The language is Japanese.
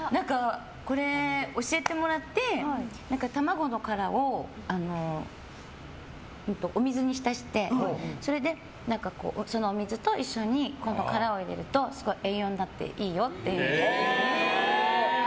これ教えてもらって卵の殻をお水に浸してそれでそのお水と一緒に殻を入れるとすごい栄養になっていいよっていう。